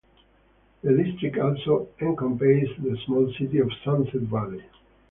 The district also encompasses the small city of Sunset Valley.